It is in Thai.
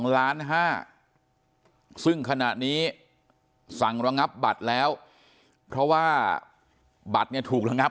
ซึ่งขณะนี้สั่งระงับบัตรแล้วเพราะว่าบัตรเนี่ยถูกระงับ